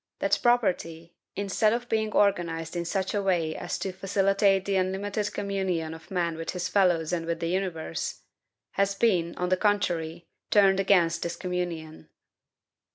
that property, instead of being organized in such a way as to facilitate the unlimited communion of man with his fellows and with the universe, has been, on the contrary, turned against this communion."